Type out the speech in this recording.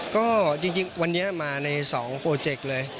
ก็จริงวันนี้มาใน๒โปรเจกต์เลย